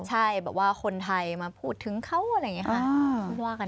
ใช่แบบว่าคนไทยมาพูดถึงเขาอะไรอย่างนี้ค่ะ